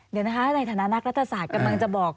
เดี๋ยวนะคะในฐานะนักรัฐศาสตร์กำลังจะบอก